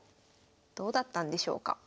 どうだったんでしょうか。